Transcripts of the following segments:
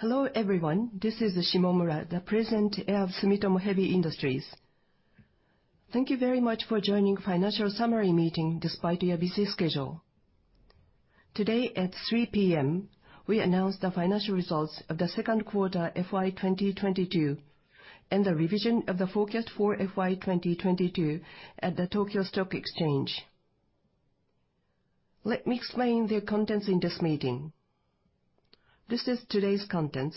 Hello, everyone. This is Shimomura, the President of Sumitomo Heavy Industries. Thank you very much for joining financial summary meeting despite your busy schedule. Today at 3:00 P.M., we announced the financial results of the Q2 FY 2022, and the revision of the forecast for FY 2022 at the Tokyo Stock Exchange. Let me explain the contents in this meeting. This is today's contents.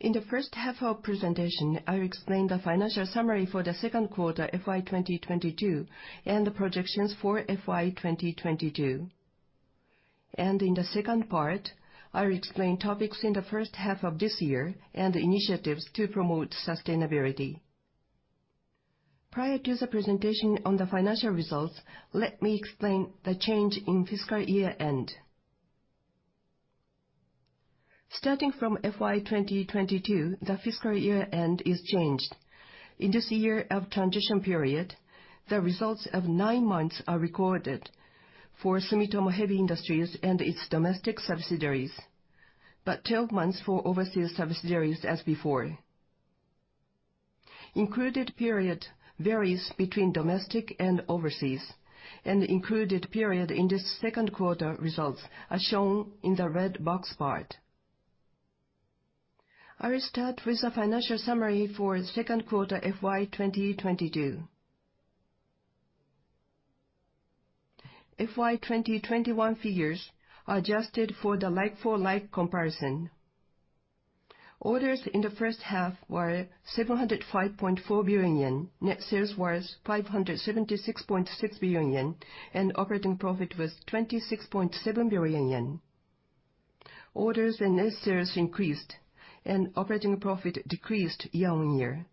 In the H1 of presentation, I'll explain the financial summary for the Q2 FY 2022, and the projections for FY 2022. In the second part, I'll explain topics in the H1 of this year and initiatives to promote sustainability. Prior to the presentation on the financial results, let me explain the change in fiscal year end. Starting from FY 2022, the fiscal year end is changed. In this year of transition period, the results of nine months are recorded for Sumitomo Heavy Industries and its domestic subsidiaries. 12 months for overseas subsidiaries as before. Included period varies between domestic and overseas, and included period in the Q2 results are shown in the red box part. I'll start with the financial summary for Q2 FY 2022. FY 2021 figures are adjusted for the like-for-like comparison. Orders in the H1 were 705.4 billion yen. Net sales was 576.6 billion yen, and operating profit was 26.7 billion yen. Orders and net sales increased, and operating profit decreased year-on-year.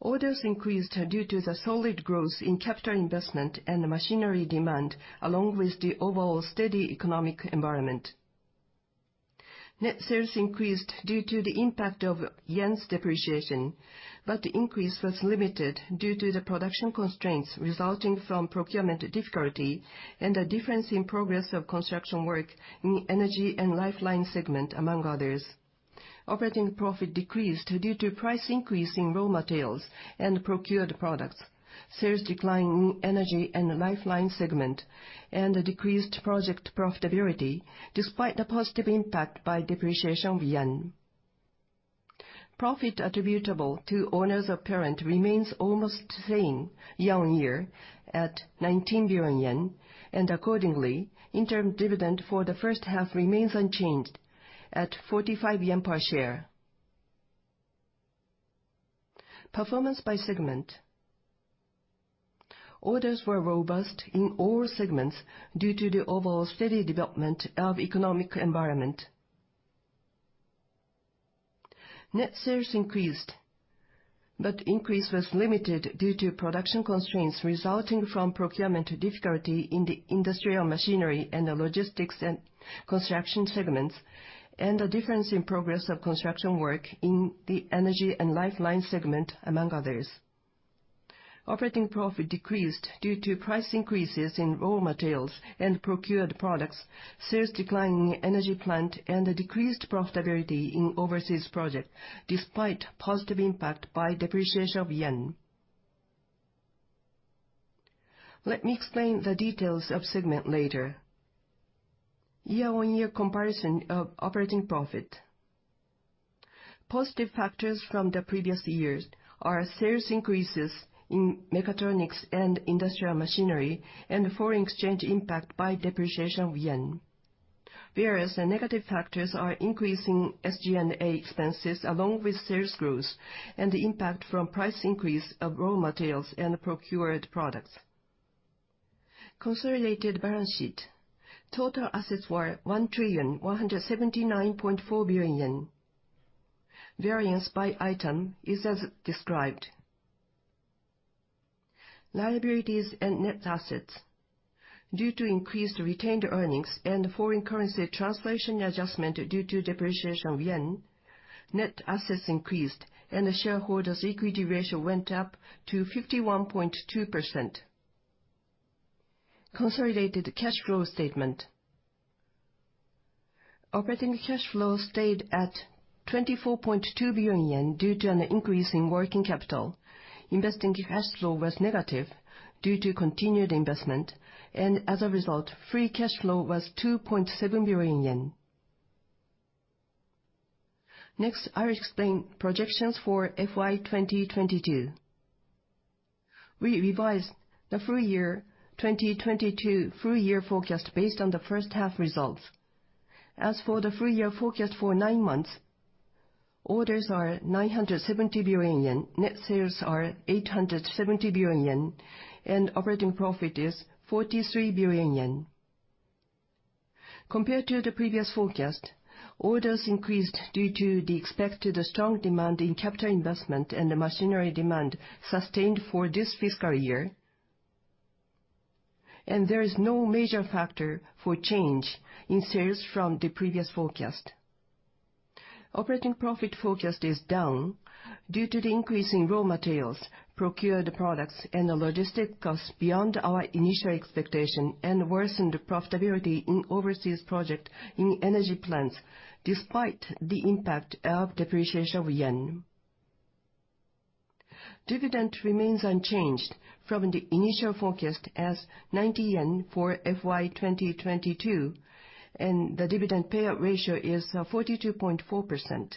Orders increased due to the solid growth in capital investment and the machinery demand, along with the overall steady economic environment. Net sales increased due to the impact of yen's depreciation, but the increase was limited due to the production constraints resulting from procurement difficulty and a difference in progress of construction work in Energy & Lifelines segment, among others. Operating profit decreased due to price increase in raw materials and procured products, sales decline in Energy & Lifelines segment, and a decreased project profitability despite the positive impact by depreciation of yen. Profit attributable to owners of parent remains almost same year-on-year at 19 billion yen, and accordingly, interim dividend for the H1 remains unchanged at 45 yen per share. Performance by segment. Orders were robust in all segments due to the overall steady development of economic environment. Net sales increased, but increase was limited due to production constraints resulting from procurement difficulty in the Industrial Machinery and Logistics & Construction segments, and a difference in progress of construction work in the Energy & Lifelines segment, among others. Operating profit decreased due to price increases in raw materials and procured products, sales decline in energy plant, and a decreased profitability in overseas project, despite positive impact by depreciation of yen. Let me explain the details of segment later. Year-on-year comparison of operating profit. Positive factors from the previous years are sales increases in Mechatronics and Industrial Machinery, and foreign exchange impact by depreciation of yen. Whereas the negative factors are increasing SG&A expenses along with sales growth and the impact from price increase of raw materials and procured products. Consolidated balance sheet. Total assets were 1,179.4 billion yen. Variance by item is as described. Liabilities and net assets. Due to increased retained earnings and foreign currency translation adjustment due to depreciation of yen, net assets increased and the shareholders' equity ratio went up to 51.2%. Consolidated cash flow statement. Operating cash flow stayed at 24.2 billion yen due to an increase in working capital. Investing cash flow was negative due to continued investment, and as a result, free cash flow was 2.7 billion yen. Next, I'll explain projections for FY 2022. We revised the full year 2022 full year forecast based on the H1 results. As for the full year forecast for nine months, orders are 970 billion yen, net sales are 870 billion yen, and operating profit is 43 billion yen. Compared to the previous forecast, orders increased due to the expected strong demand in capital investment and the machinery demand sustained for this fiscal year. There is no major factor for change in sales from the previous forecast. Operating profit forecast is down due to the increase in raw materials, procured products, and the logistic costs beyond our initial expectation and worsened profitability in overseas project in energy plants, despite the impact of depreciation of yen. Dividend remains unchanged from the initial forecast as 90 yen for FY 2022, and the dividend payout ratio is 42.4%.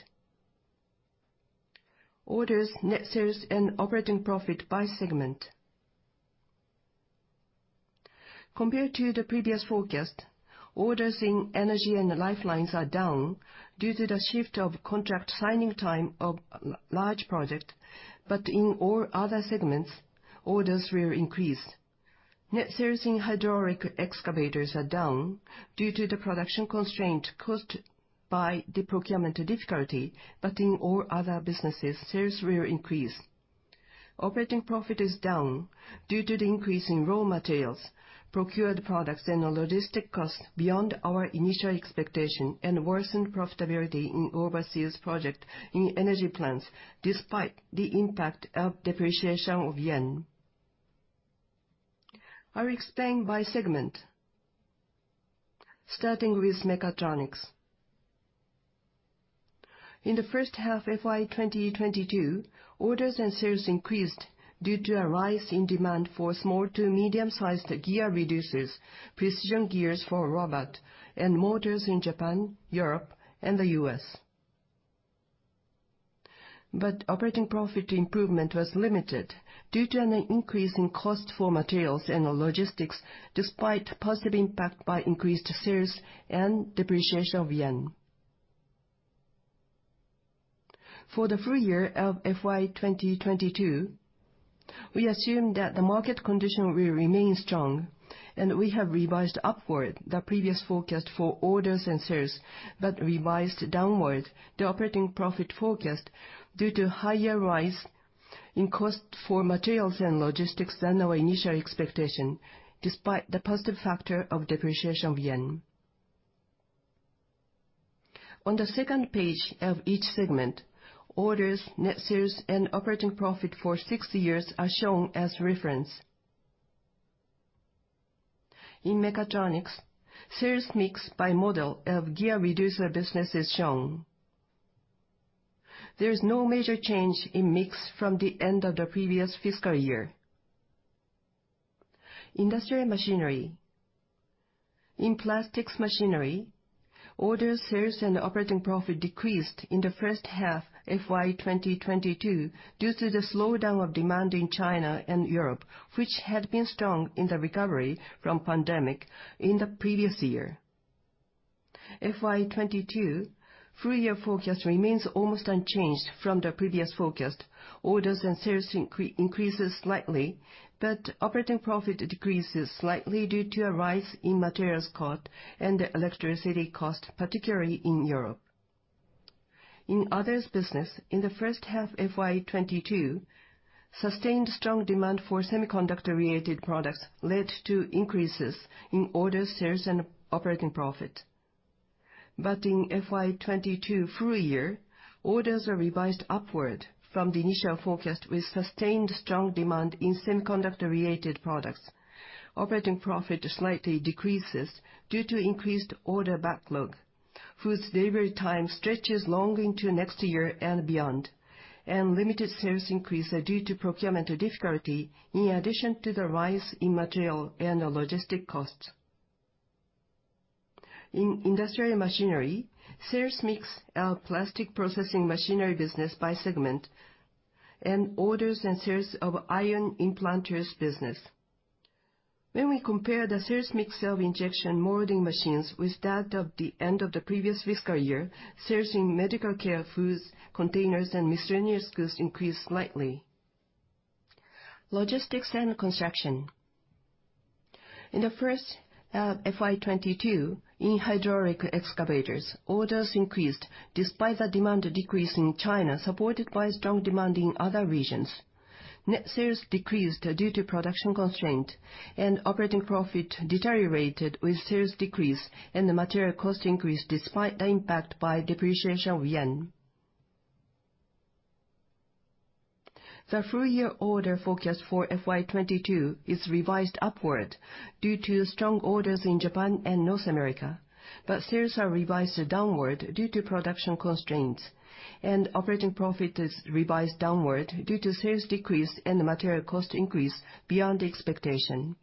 Orders, net sales, and operating profit by segment. Compared to the previous forecast, orders in Energy & Lifelines are down due to the shift of contract signing time of large project. In all other segments, orders will increase. Net sales in hydraulic excavators are down due to the production constraint caused by the procurement difficulty. In all other businesses, sales will increase. Operating profit is down due to the increase in raw materials, procured products, and the logistics cost beyond our initial expectation, and worsened profitability in overseas project in energy plants, despite the impact of depreciation of yen. I explain by segment. Starting with Mechatronics. In the H1 FY 2022, orders and sales increased due to a rise in demand for small to medium-sized gear reducers, precision gears for robots, and motors in Japan, Europe, and the U.S. Operating profit improvement was limited due to an increase in cost for materials and the logistics, despite positive impact by increased sales and depreciation of yen. For the full year of FY 2022, we assume that the market condition will remain strong, and we have revised upward the previous forecast for orders and sales, but revised downward the operating profit forecast due to higher rise in cost for materials and logistics than our initial expectation, despite the positive factor of depreciation of yen. On the second page of each segment, orders, net sales, and operating profit for six years are shown as reference. In Mechatronics, sales mix by model of gear reducer business is shown. There's no major change in mix from the end of the previous fiscal year. Industrial Machinery. In Plastics Machinery, orders, sales, and operating profit decreased in the H1 FY 2022 due to the slowdown of demand in China and Europe, which had been strong in the recovery from pandemic in the previous year. FY 2022 full year forecast remains almost unchanged from the previous forecast. Orders and sales increases slightly, but operating profit decreases slightly due to a rise in materials cost and the electricity cost, particularly in Europe. In Others Business, in the H1 FY 2022, sustained strong demand for semiconductor-related products led to increases in orders, sales, and operating profit. In FY 2022 full year, orders are revised upward from the initial forecast with sustained strong demand in semiconductor-related products. Operating profit slightly decreases due to increased order backlog, whose delivery time stretches long into next year and beyond, and limited sales increase are due to procurement difficulty in addition to the rise in material and the logistic costs. In Industrial Machinery, sales mix of plastic processing machinery business by segment and orders and sales of ion implanters business. When we compare the sales mix of injection molding machines with that of the end of the previous fiscal year, sales in medical care foods, containers, and miscellaneous goods increased slightly. Logistics & Construction. In the first FY 2022, in hydraulic excavators, orders increased despite the demand decrease in China, supported by strong demand in other regions. Net sales decreased due to production constraint, and operating profit deteriorated with sales decrease and the material cost increased despite the impact by depreciation of yen. The full year order forecast for FY 2022 is revised upward due to strong orders in Japan and North America. Sales are revised downward due to production constraints, and operating profit is revised downward due to sales decrease and the material cost increase beyond expectation.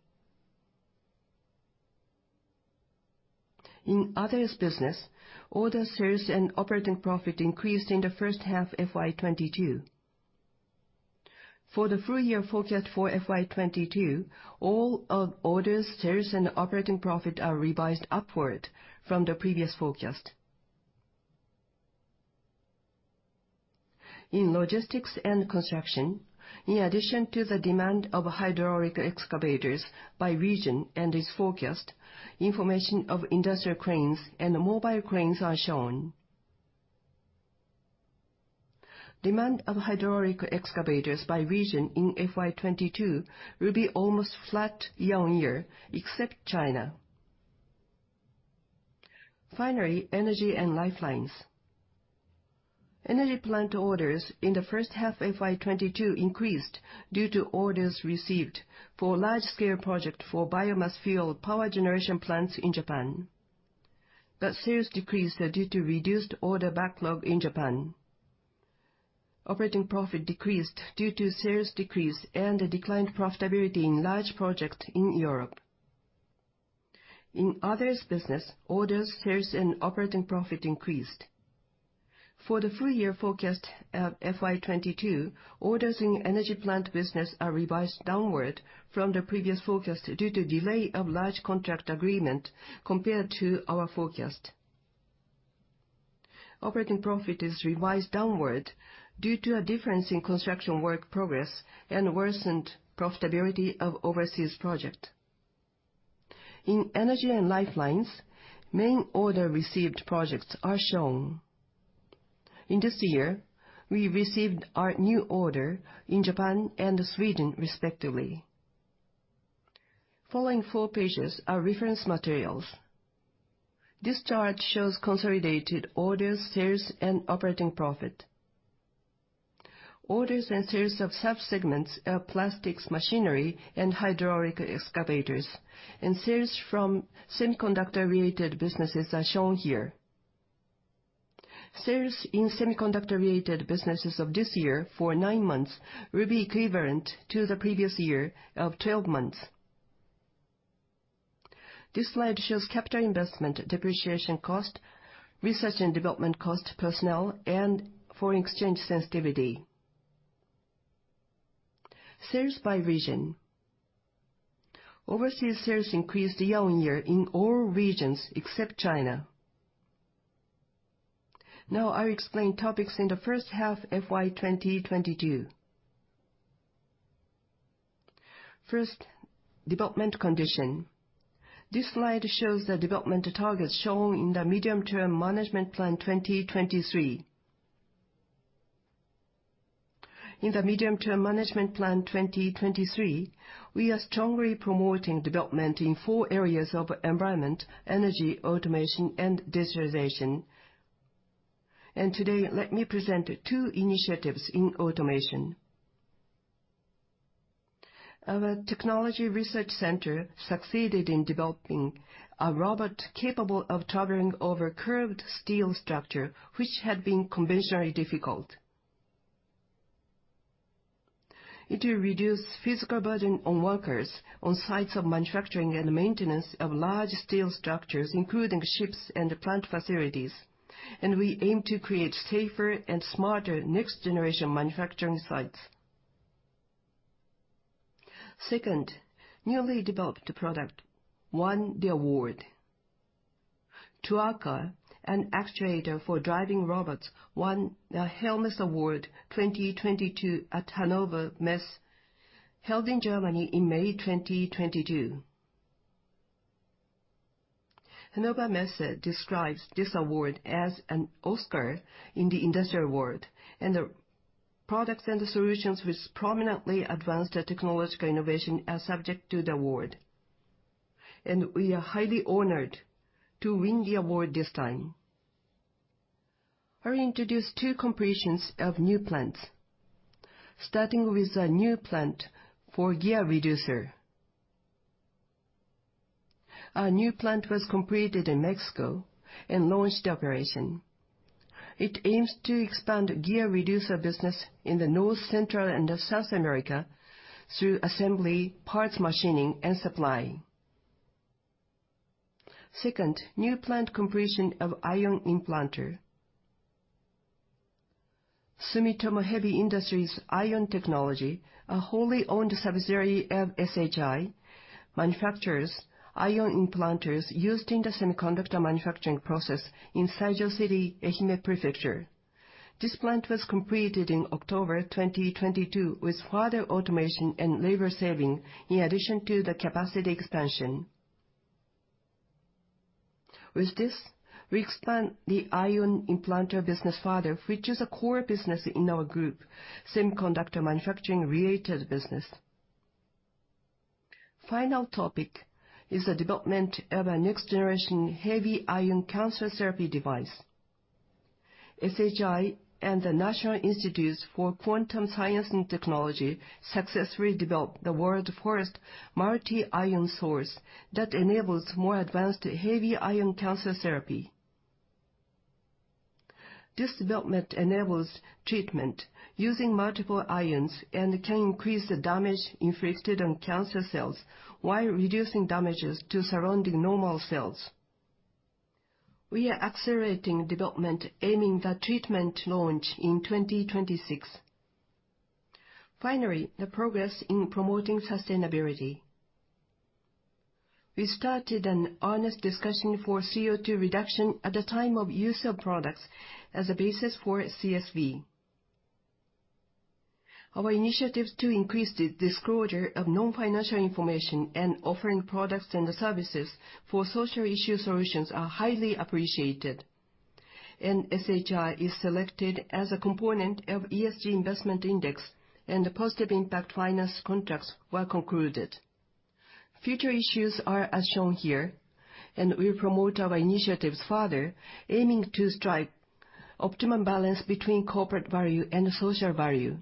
In Others Business, orders, sales, and operating profit increased in the H1 FY 2022. For the full year forecast for FY 2022, all of orders, sales, and operating profit are revised upward from the previous forecast. In Logistics & Construction, in addition to the demand for hydraulic excavators by region and its forecast, information of industrial cranes and mobile cranes are shown. Demand for hydraulic excavators by region in FY 2022 will be almost flat year-on-year, except China. Finally, Energy & Lifelines. Energy plant orders in the H1 FY 2022 increased due to orders received for large-scale project for biomass-fired power generation plants in Japan. Sales decreased due to reduced order backlog in Japan. Operating profit decreased due to sales decrease and a decline in profitability in large project in Europe. In other businesses, orders, sales, and operating profit increased. For the full year forecast at FY 2022, orders in Energy & Lifelines business are revised downward from the previous forecast due to delay of large contract agreement compared to our forecast. Operating profit is revised downward due to a difference in construction work progress and worsened profitability of overseas project. In Energy & Lifelines, main order received projects are shown. In this year, we received our new order in Japan and Sweden respectively. Following four pages are reference materials. This chart shows consolidated orders, sales, and operating profit. Orders and sales of sub-segments are Plastics Machinery and hydraulic excavators, and sales from semiconductor-related businesses are shown here. Sales in semiconductor-related businesses of this year for nine months will be equivalent to the previous year of 12 months. This slide shows capital investment, depreciation cost, research and development cost, personnel, and foreign exchange sensitivity. Sales by region. Overseas sales increased year-on-year in all regions except China. Now I explain topics in the H1 FY 2022. First, development condition. This slide shows the development targets shown in the Medium-Term Management Plan 2023. In the Medium-Term Management Plan 2023, we are strongly promoting development in four areas of environment, energy, automation, and digitalization. Today, let me present two initiatives in automation. Our Technology Research Center succeeded in developing a robot capable of traveling over curved steel structure, which had been conventionally difficult. It will reduce physical burden on workers on sites of manufacturing and maintenance of large steel structures, including ships and plant facilities, and we aim to create safer and smarter next-generation manufacturing sites. Second, newly developed product won the award. TUAKA, an actuator for driving robots, won the HERMES Award 2022 at Hannover Messe, held in Germany in May 2022. Hannover Messe describes this award as an Oscar in the industrial world, and the products and solutions which prominently advanced the technological innovation are subject to the award. We are highly honored to win the award this time. I will introduce two completions of new plants, starting with a new plant for gear reducer. Our new plant was completed in Mexico and launched operation. It aims to expand gear reducer business in the North, Central, and South America through assembly, parts machining, and supply. Second, new plant completion of ion implanter. Sumitomo Heavy Industries Ion Technology, a wholly-owned subsidiary of SHI, manufactures ion implanters used in the semiconductor manufacturing process in Saijo City, Ehime Prefecture. This plant was completed in October 2022 with further automation and labor saving, in addition to the capacity expansion. With this, we expand the ion implanter business further, which is a core business in our group, semiconductor manufacturing related business. The final topic is the development of a next-generation heavy ion cancer therapy device. SHI and the National Institutes for Quantum Science and Technology successfully developed the world's first multi-ion source that enables more advanced heavy ion cancer therapy. This development enables treatment using multiple ions and can increase the damage inflicted on cancer cells while reducing damage to surrounding normal cells. We are accelerating development, aiming for the treatment launch in 2026. Finally, the progress in promoting sustainability. We started an honest discussion for CO2 reduction at the time of use of products as a basis for CSV. Our initiatives to increase the disclosure of nonfinancial information and offering products and services for social issue solutions are highly appreciated. SHI is selected as a component of ESG Investment Index, and the Positive Impact Finance contracts were concluded. Future issues are as shown here, and we promote our initiatives further, aiming to strike optimum balance between corporate value and social value.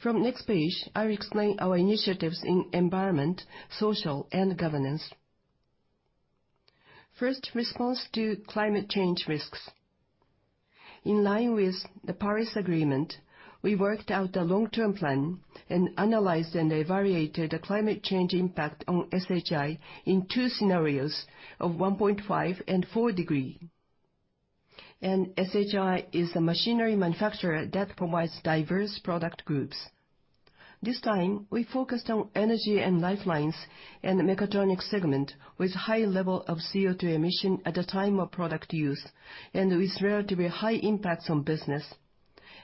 From next page, I'll explain our initiatives in Environment, Social, and Governance. First, response to climate change risks. In line with the Paris Agreement, we worked out a long-term plan and analyzed and evaluated the climate change impact on SHI in two scenarios of 1.5 and 4 degree. SHI is a machinery manufacturer that provides diverse product groups. This time, we focused on Energy & Lifelines and Mechatronics segment with high level of CO2 emission at the time of product use, and with relatively high impacts on business,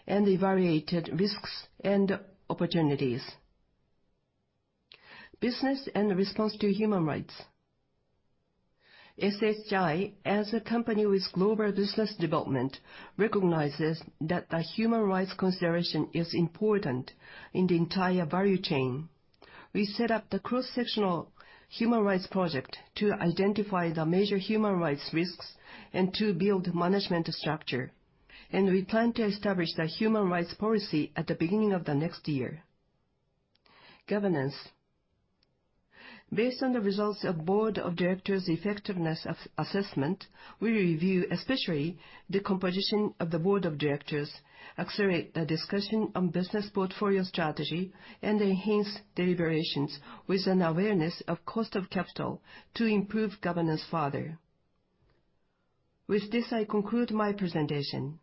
and evaluated risks and opportunities. Business and response to human rights. SHI, as a company with global business development, recognizes that a human rights consideration is important in the entire value chain. We set up the Human Rights Risk Project to identify the major human rights risks and to build management structure. We plan to establish the human rights policy at the beginning of the next year. Governance. Based on the results of board of directors' effectiveness assessment, we review especially the composition of the board of directors, accelerate the discussion on business portfolio strategy, and enhance deliberations with an awareness of cost of capital to improve governance further. With this, I conclude my presentation.